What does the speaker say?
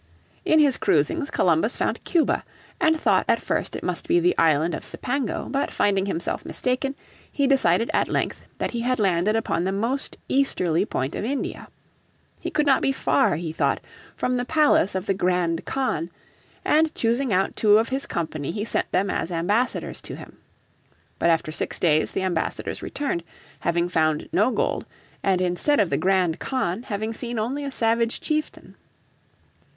In his cruisings Columbus found Cuba, and thought at first it must be the island of Cipango, but finding himself mistaken he decided at length that he had landed upon the most easterly point of India. He could not be far, he thought, from the palace of the Grand Khan, and choosing out two of his company he sent them as ambassadors to him. But after six days the ambassadors returned, having found no gold; and instead of the Grand Khan having seen only a savage chieftain.